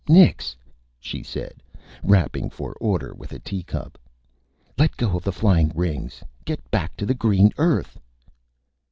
Nix!" she said, rapping for order with a Tea Cup. "Let go of the Flying Rings. Get back to the Green Earth!"